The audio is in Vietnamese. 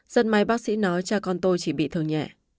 dân may bác sĩ nói cha con tôi chỉ bị thương nhẹ